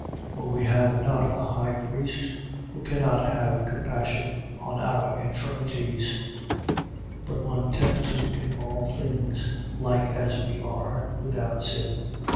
4:15. For we have not a high priest who cannot have compassion on our infirmities: but one tempted in all things like as we are, without sin.